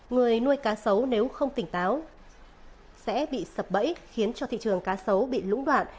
người nuôi cá sấu nếu không tỉnh táo sẽ bị sập bẫy khiến cho thị trường cá sấu bị lũng đoạn